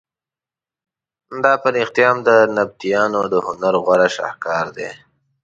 دا په رښتیا هم د نبطیانو د هنر غوره شهکار دی.